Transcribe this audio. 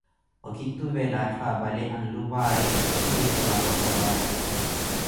okituvela atthu apale anlupayee ethi eri va roho vaya.